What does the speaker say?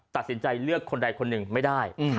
ตัดสินใจเลือกคนใดคนหนึ่งไม่ได้